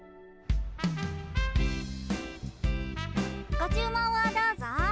ご注文をどうぞ。